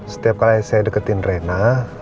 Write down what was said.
setiap kali saya deketin rena